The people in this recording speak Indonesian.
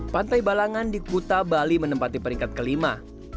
pantai balangan di kuta bali menempati peringkat kelima